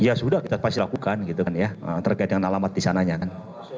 ya sudah kita pasti lakukan gitu kan ya terkait dengan alamat di sananya kan